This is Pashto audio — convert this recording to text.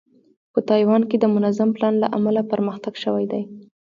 په تایوان کې د منظم پلان له امله پرمختګ شوی دی.